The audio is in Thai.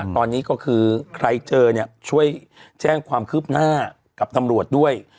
ตอนนี้ก็คือใครเจอเนี่ยช่วยแจ้งความคืบหน้ากับตำรวจด้วย